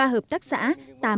ba hợp tác xã